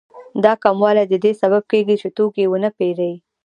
دا کموالی د دې سبب کېږي چې توکي ونه پېري